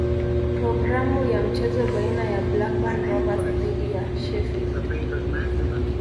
Programu ya mchezo baina ya Blackburn Rovers dhidi ya Sheffield